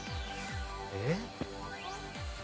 えっ？